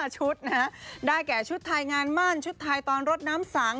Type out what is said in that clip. ชุดนะฮะได้แก่ชุดไทยงานมั่นชุดไทยตอนรดน้ำสัง